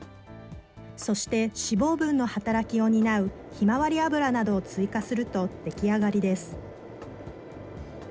そして、脂肪分の働きを担うひまわり油などを追加すると出来上がりです。